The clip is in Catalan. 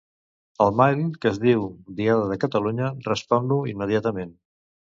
El mail que es diu "Diada de Catalunya", respon-lo immediatament.